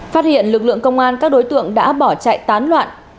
phát hiện lực lượng công an các đối tượng đã bỏ chạy tán loạn